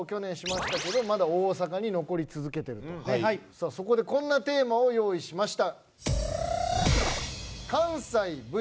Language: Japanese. さあそこでこんなテーマを用意しました。